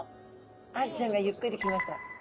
アジちゃんがゆっくり来ました。